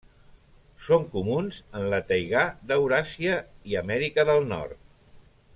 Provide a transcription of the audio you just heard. Són comuns en la taigà d'Euràsia i Amèrica del Nord.